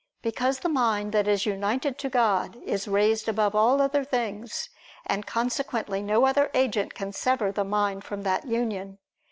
Because the mind that is united to God is raised above all other things: and consequently no other agent can sever the mind from that union.